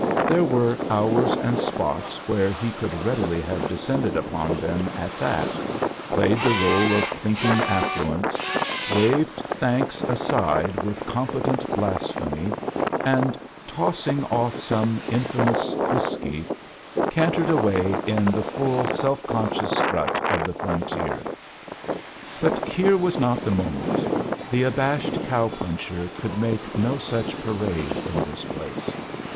There were hours and spots where he rould readily have descend ed upon them at tha.t, played the r61e of clinking affluence, waved thanks aside with competent blasphemy, and, tossing off some mfamous whiskey, cantered ;^:} A JOIWNEY IN SEARCH OF CHRBTHAS away In tfie iullt self coiucious strut of the frontier. But here was not the mo meat; the abashed cow poacher could make no soch parade in this place.